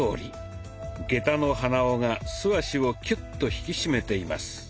下駄の鼻緒が素足をキュッと引き締めています。